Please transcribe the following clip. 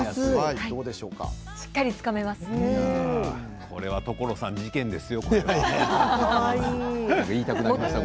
しっかりつかめます。